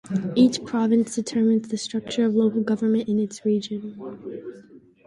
Each province determines the structure of local government in its region.